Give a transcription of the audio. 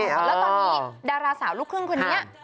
แล้วตอนนี้ดาราสาวลูกครึ่งคนนี้